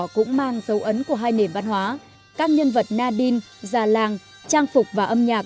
cũng mang dấu ấn của hai nền văn hóa các nhân vật nadin già làng trang phục và âm nhạc